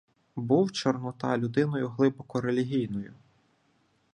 Був Чорнота людиною глибоко релігійною.